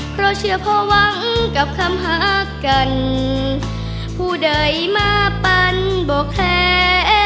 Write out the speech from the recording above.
เพราะเชื่อพอหวังกับคำหากันผู้ใดมาปันบอกแท้